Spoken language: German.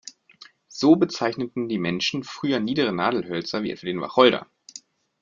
So bezeichneten die Menschen früher niedere Nadelhölzer wie etwa den Wacholder.